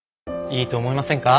いいと思いませんか？